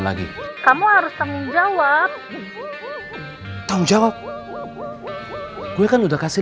kalau saya pakai baju cewe